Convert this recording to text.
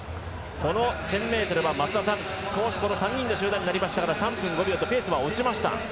この１０００ｍは増田さん３人の集団になりましたから３分５秒とペースは落ちました。